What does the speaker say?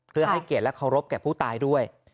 เพื่อให้เกียรติและเคารพแก่ผู้ตายด้วย